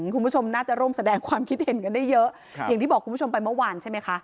คุณผู้ชมน่าจะร่วมแสดงความคิดเห็นกันได้เยอะอย่างที่บอกคุณผู้ชมไปเมื่อวานใช่ไหมคะ